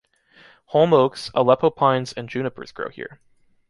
Holm oaks, Aleppo pines and junipers grow here.